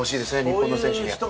日本の選手には。